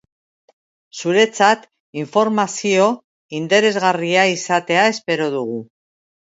Zuretzat informazio interesgarria izatea espero dugu.